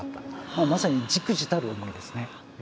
まさにじくじたる思いですね。